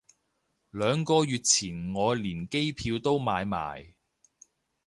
兩個月前我連機票都買埋